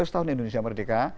seratus tahun indonesia merdeka